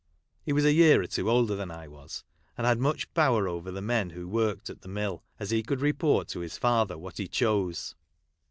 He was a year or two older than I was, and had much power over the men who worked at the mill, as he could report to his father what he chose.